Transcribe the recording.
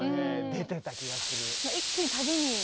出てた気がする。